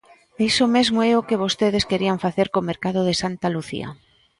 E iso mesmo é o que vostedes querían facer co mercado de Santa Lucía.